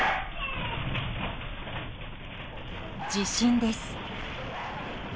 地震です。